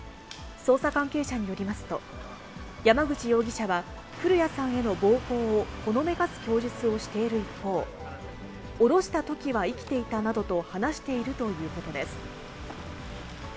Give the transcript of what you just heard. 捜査関係者によりますと、山口容疑者は、古屋さんへの暴行をほのめかす供述をしている一方、降ろしたときは生きていたなどと話しているということです。